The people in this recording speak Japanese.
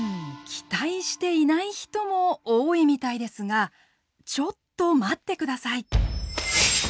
期待していない人も多いみたいですがちょっと待ってください！